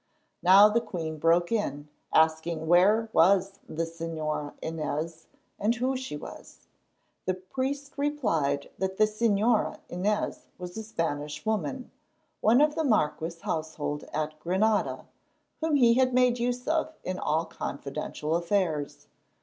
Now the queen broke in, asking where was the Señora Inez, and who she was. The priest replied that the Señora Inez was a Spanish woman, one of the marquis's household at Granada, whom he made use of in all confidential affairs.